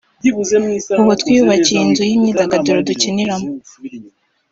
ubu twiyubakiye inzu y’imyidagaduro dukiniramo